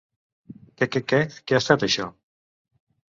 Què què què, què ha estat, això?